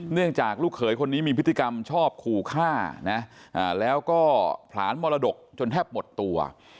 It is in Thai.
จากลูกเขยคนนี้มีพฤติกรรมชอบขู่ฆ่านะแล้วก็ผลานมรดกจนแทบหมดตัว